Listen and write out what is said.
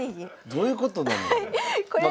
どういうことなの？